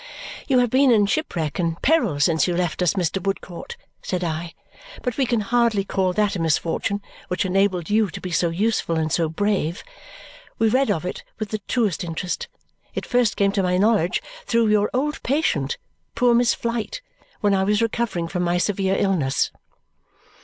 "You have been in shipwreck and peril since you left us, Mr. Woodcourt," said I, "but we can hardly call that a misfortune which enabled you to be so useful and so brave. We read of it with the truest interest. It first came to my knowledge through your old patient, poor Miss Flite, when I was recovering from my severe illness."